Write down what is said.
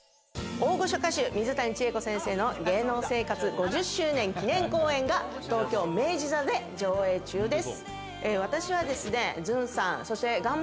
大御所歌手・水谷千重子先生の芸能生活５０周年記念公演が東京・明治座で上映中です。